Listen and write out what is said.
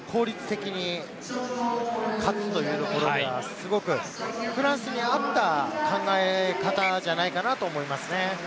効率的に勝つというところではすごくフランスに合った考え方じゃないかなと思いますね。